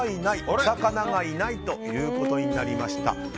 お魚がいないということになりました。